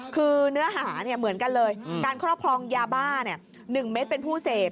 คือเนื้อหาเหมือนกันเลยการครอบครองยาบ้า๑เม็ดเป็นผู้เสพ